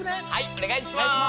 おねがいします！